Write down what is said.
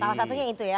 salah satunya itu ya